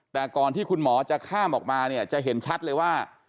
แต่ก่อนที่คุณหมอจะข้ามออกมาเนี่ยจะเห็นชัดเลยว่า